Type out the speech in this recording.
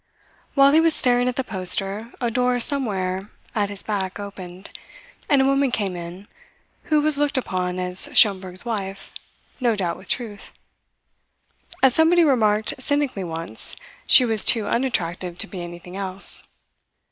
While he was staring at the poster, a door somewhere at his back opened, and a woman came in who was looked upon as Schomberg's wife, no doubt with truth. As somebody remarked cynically once, she was too unattractive to be anything else.